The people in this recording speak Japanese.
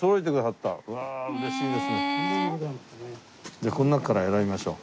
じゃあこの中から選びましょう。